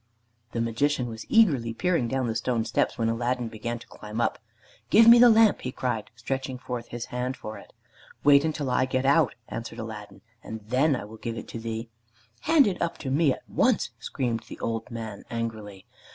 The Magician was eagerly peering down the stone steps when Aladdin began to climb up. "Give me the lamp," he cried, stretching his hand for it. "Wait until I get out," answered Aladdin, "and then I will give it thee." "Hand it up to me at once," screamed the old man angrily.